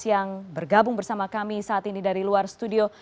yang bergabung bersama kami saat ini dari luar studio